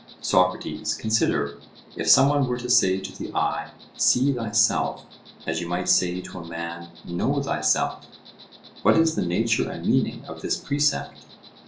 SOCRATES: Consider; if some one were to say to the eye, 'See thyself,' as you might say to a man, 'Know thyself,' what is the nature and meaning of this precept?